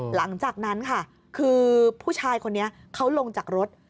หลังจากนั้นค่ะคือผู้ชายคนนี้เขาลงจากรถ